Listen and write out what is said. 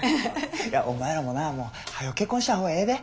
お前らもなもうはよ結婚した方がええで！